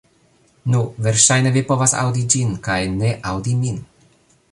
Nu, verŝajne vi povas aŭdi ĝin kaj ne aŭdi min.